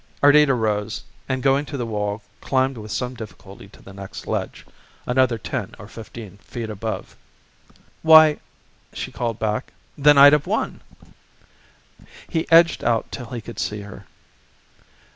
Ardita rose, and going to the wall climbed with some difficulty to the next ledge, another ten or fifteen feet above. "Why," she called back "then I'd have won!" He edged out till he could see her.